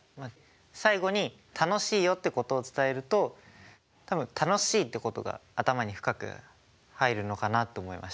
最後に「楽しいよ」ってことを伝えると多分「楽しい」ってことが頭に深く入るのかなって思いました。